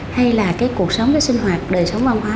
hay là cái cuộc sống cái sinh hoạt đời sống văn hóa